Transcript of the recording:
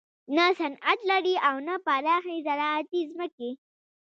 نه صنعت لري او نه پراخې زراعتي ځمکې.